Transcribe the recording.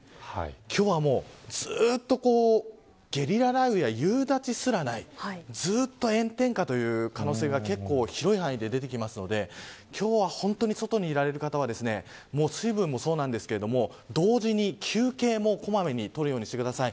今日はもうずっとゲリラ雷雨や夕立すらないずっと炎天下という可能性が結構広い範囲で出てくるので今日は本当に外におられる方は水分もそうなんですが同時に休憩も小まめに取るようにしてください。